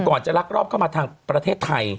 ก่อนจะลักลอบเข้ามาทางประเทศไทย